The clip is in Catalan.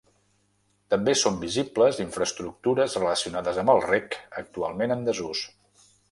També són visibles infraestructures relacionades amb el reg, actualment en desús.